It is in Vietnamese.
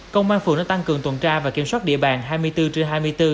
công an phường đã tăng cường tuần tra và kiểm soát địa bàn hai mươi bốn trên hai mươi bốn